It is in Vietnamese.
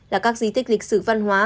là các di tích lịch sử văn hóa